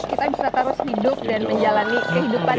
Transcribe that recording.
kita bisa terus hidup dan menjalani kehidupan